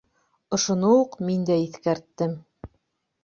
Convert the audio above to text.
Ошоно уҡ мин дә иҫкәрттем.